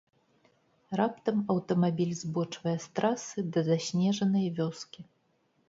Раптам аўтамабіль збочвае з трасы да заснежанай вёскі.